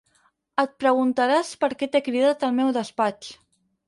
Et preguntaràs per què t'he cridat al meu despatx.